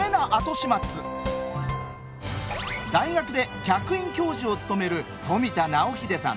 大学で客員教授を務める富田直秀さん